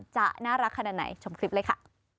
จะน่ารักขนาดไหนชมคลิปเลยค่ะ